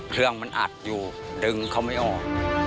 เครื่องมันอัดอยู่ดึงเขาไม่ออก